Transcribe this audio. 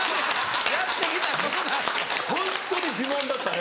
ホンットに自慢だったね。